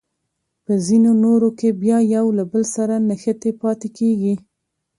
په ځینو نورو کې بیا یو له بل سره نښتې پاتې کیږي.